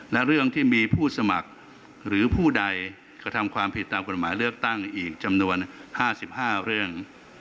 และเรื่องที่มีผู้สมัครหรือผู้ใดกระทำความผิดตามกฎหมายเลือกตั้งอีกจำนวน๕๕เรื่อง